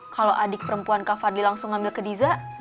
kalau adik perempuan kak fadli langsung ngambil ke diza